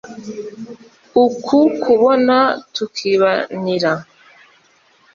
ukukubona tukibanira